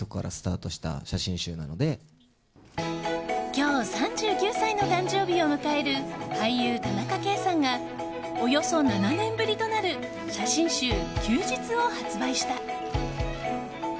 今日、３９歳の誕生日を迎える俳優・田中圭さんがおよそ７年ぶりとなる写真集「休日」を発売した。